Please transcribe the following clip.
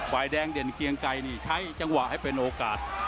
ฝ่ายแดงเด่นเกียงไกรนี่ใช้จังหวะให้เป็นโอกาส